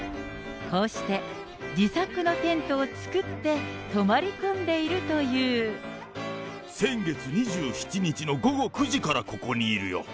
こうして、自作のテントを作って、先月２７日の午後９時からここにいるよ。